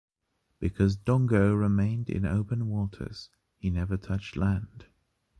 Because Dongo remained in open waters, he never touched land.